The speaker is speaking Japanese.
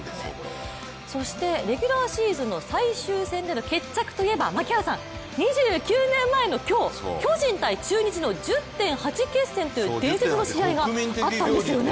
そしてレギュラーシーズンの最終戦での決着といえば槙原さん、２９年前の今日、巨人×中日の１０．８決戦という、伝説の試合があったんですよね。